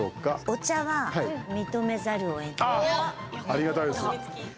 お茶は認めざるをえない。